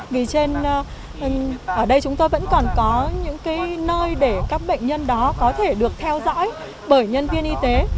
vì ở đây chúng tôi vẫn còn có những nơi để các bệnh nhân đó có thể được theo dõi bởi nhân viên y tế